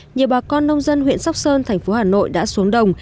nhiều bà con nông dân huyện sóc sơn thành phố hà nội đã xuống đồng